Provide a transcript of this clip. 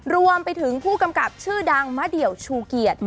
รวมไปถึงผู้กำกับชื่อดังมะเดี่ยวชูเกียรติ